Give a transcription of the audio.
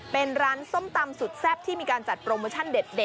เป็นร้านส้มตำสุดแซ่บที่มีการจัดโปรโมชั่นเด็ด